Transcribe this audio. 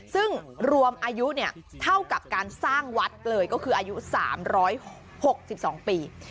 ซึ่งรวมอายุเท่ากับการสร้างวัดเลยก็คืออายุ๓๖๒ปี